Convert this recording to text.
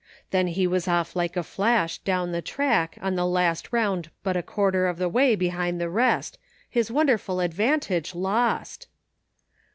Then he was off like a flash down the track on the last round but a quarter of the way behind the rest, his wonderful advantage lost!